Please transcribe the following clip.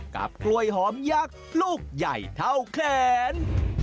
กล้วยหอมยักษ์ลูกใหญ่เท่าแขน